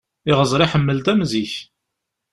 Iɣẓer iḥemmel-d am zik.